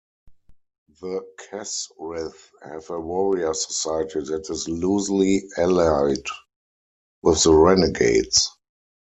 The Kessrith have a warrior society that is loosely allied with the Renegades.